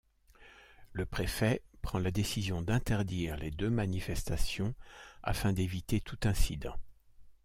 Le préfet prend la décision d'interdire les deux manifestations afin d'éviter tout incident.